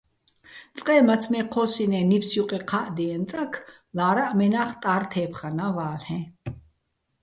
წყე, მაცმე ჴოსინე́ ნიფს ჲუყე ხა́ჸდიეჼ წაქ, ლა́რაჸ მენა́ხ ტარო̆ თე́ფხანა́ ვა́ლ'ეჼ.